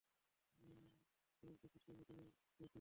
বণিকবেশে সে মদীনায় গিয়েছিল।